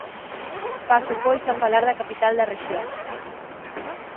Paso pois a falar da capital da rexión.